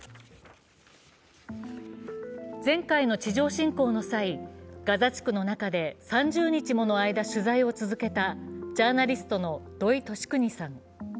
前回の地上侵攻の際、ガザ地区の中で３０日もの間、取材を続けたジャーナリストの土井敏邦さん。